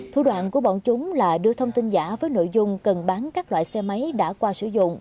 thủ đoạn của bọn chúng là đưa thông tin giả với nội dung cần bán các loại xe máy đã qua sử dụng